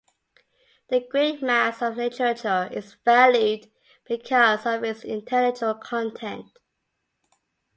The great mass of literature is valued because of its intellectual content.